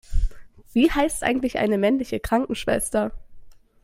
Wie heißt eigentlich eine männliche Krankenschwester?